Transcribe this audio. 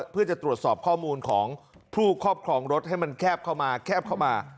เพื่อจะตรวจสอบข้อมูลของผู้ครอบครองรถให้มันแคบเข้ามาแคบเข้ามา